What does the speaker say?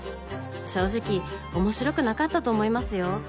正直面白くなかったと思いますよ。